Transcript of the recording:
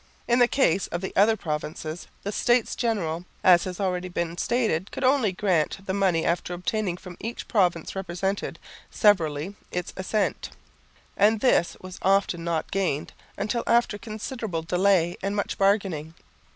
In the case of the other provinces the States General, as has been already stated, could only grant the money after obtaining from each province represented, severally, its assent; and this was often not gained until after considerable delay and much bargaining.